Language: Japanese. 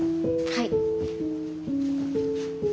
はい。